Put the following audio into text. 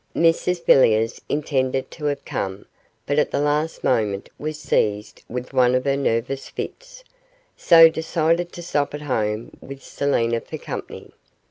Mrs Villiers intended to have come, but at the last moment was seized with one of her nervous fits, so decided to stop at home with Selina for company.